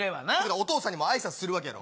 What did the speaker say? お義父さんにも挨拶するわけやろ。